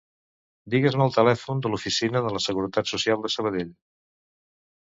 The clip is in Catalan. Digues-me el telèfon de l'oficina de la Seguretat Social de Sabadell.